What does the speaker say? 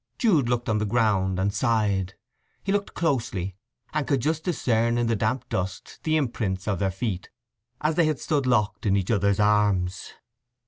Jude looked on the ground and sighed. He looked closely, and could just discern in the damp dust the imprints of their feet as they had stood locked in each other's arms.